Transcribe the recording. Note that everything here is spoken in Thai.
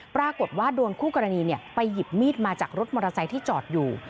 ปรากฏว่าโดนคู่กรณีไปหยิบมีดมาจากรถมอเตอร์ไซค์ที่จอดอยู่